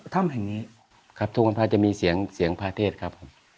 ถ้ำแห่งนี้ครับทุกวันพระจะมีเสียงเสียงพระเทศครับผม